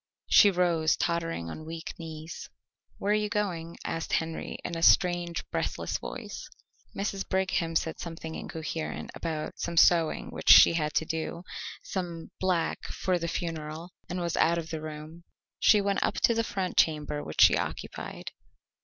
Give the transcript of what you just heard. She rose, tottering on weak knees. "Where are you going?" asked Henry in a strange, breathless voice. Mrs. Brigham said something incoherent about some sewing which she had to do, some black for the funeral, and was out of the room. She went up to the front chamber which she occupied.